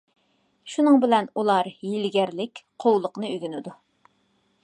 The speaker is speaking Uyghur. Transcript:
شۇنىڭ بىلەن ئۇلار ھىيلىگەرلىك، قۇۋلۇقنى ئۆگىنىدۇ.